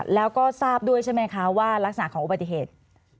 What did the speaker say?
แล้วก็ทราบด้วยใช่ไหมคะว่ารักษณะของอุบัติเหตุ